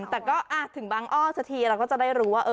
แต่ก็ถึงบางอ้อสักทีเราก็จะได้รู้ว่า